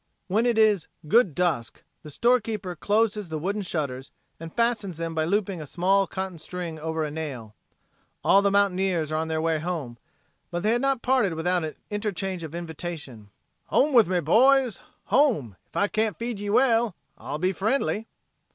When it is "good dusk" the storekeeper closes the wooden shutters and fastens them by looping a small cotton string over a nail. All the mountaineers are on their way home, but they had not parted without an interchange of invitation: "Home with me, boys; home! Ef I can't feed ye well, I'll be friendly."